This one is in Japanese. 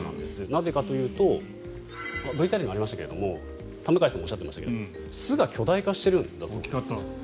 なぜかというとＶＴＲにもありましたが田迎さんもおっしゃっていましたが巣が巨大化しているんだそうです。